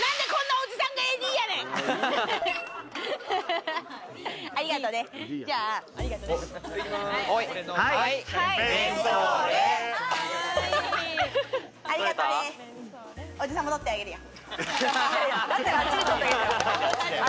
おじさんも撮ってあげるよ。